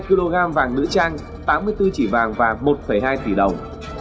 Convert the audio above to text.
hai kg vàng nữ trang tám mươi bốn chỉ vàng và một hai tỷ đồng